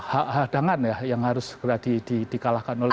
hadangan ya yang harus di kalahkan oleh